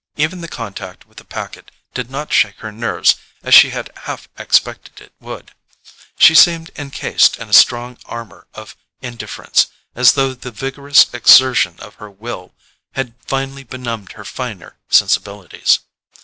Even the contact with the packet did not shake her nerves as she had half expected it would. She seemed encased in a strong armour of indifference, as though the vigorous exertion of her will had finally benumbed her finer sensibilities.